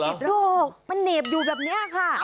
ในร่องแน่เหรอมันเหนียบอยู่แบบนี้ค่ะ